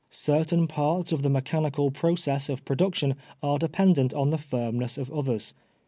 Certain parts of the mechanical process of production are dependent on the firmness of others.